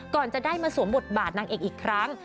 ก่อนจะได้มาสวมบทบาทนางเอกอีกครั้ง